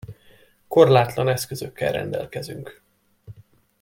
Korlátlan eszközökkel rendelkezünk.